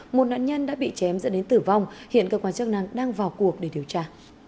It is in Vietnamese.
một nạn nhân đã bị chém dẫn đến tử vong hiện cơ quan chức năng đang vào cuộc để điều tra